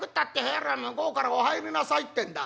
向こうから『お入りなさい』ってんだ。